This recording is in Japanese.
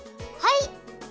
はい！